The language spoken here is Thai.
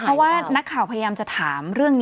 เพราะว่านักข่าวพยายามจะถาม